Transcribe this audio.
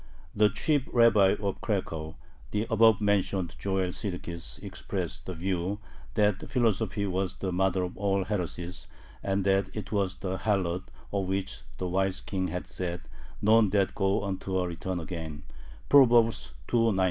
The Chief Rabbi of Cracow, the above mentioned Joel Sirkis, expressed the view that philosophy was the mother of all heresies, and that it was the "harlot" of which the wise king had said, "None that go unto her return again" (Proverbs ii.